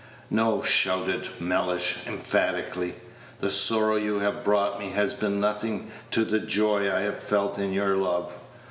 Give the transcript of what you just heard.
"No," shouted Mr. Mellish, emphatically. "The sorrow you have brought me has been nothing to the joy I have felt in your love.